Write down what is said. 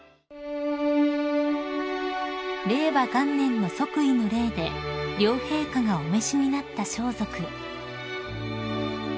［令和元年の即位の礼で両陛下がお召しになった装束］